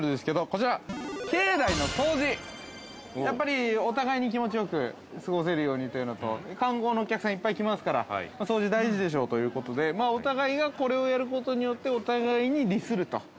◆やっぱりお互いに気持ちよく過ごせるようにというのと観光のお客さんがいっぱい来ますから、掃除大事でしょうということでお互いがこれをやることによってお互いに利すると。